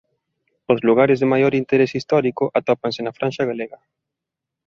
Os lugares de maior interese histórico atópanse na franxa galega.